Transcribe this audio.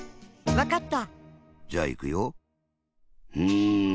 わかった？